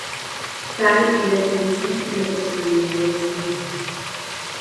Tal era el carisma y la personalidad de esta mujer.